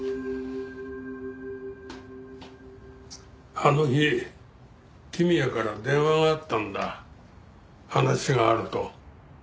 あの日公也から電話があったんだ話があると。